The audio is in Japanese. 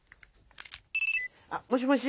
あもしもし。